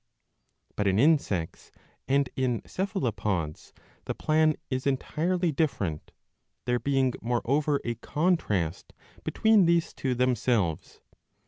* But in Insects and in Cephalopods the plan is entirely different, there being moreover a contrast between these two themselves.